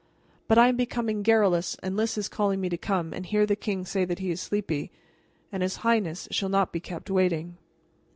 But I am becoming garrulous and Lys is calling me to come and hear the king say that he is sleepy. And his highness shall not be kept waiting.